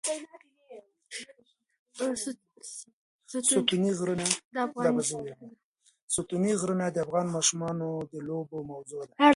ستوني غرونه د افغان ماشومانو د لوبو موضوع ده.